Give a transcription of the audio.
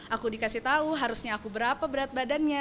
aku dikasih tahu harusnya aku berapa berat badannya